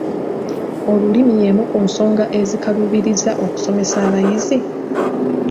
Olulimi y'emu ku nsonga ezikaluubiriza okusomesa abayizi?